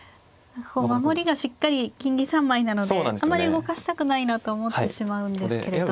守りがしっかり金銀３枚なのであまり動かしたくないなと思ってしまうんですけれど。